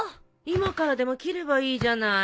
今からでも切ればいいじゃない。